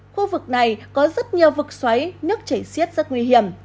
khu vực này có rất nhiều vực xoáy nước chảy xiết rất nguy hiểm